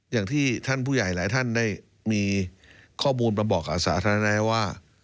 อย่างที่ท่านผู้ใหญ่หลายท่านได้มีข้อมูลมาบอกกับสาธารณะว่า